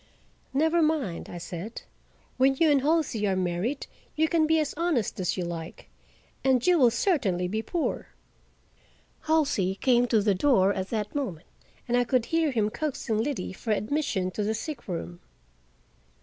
"Never mind," I said; "when you and Halsey are married you can be as honest as you like, and you will certainly be poor." Halsey came to the door at that moment and I could hear him coaxing Liddy for admission to the sick room.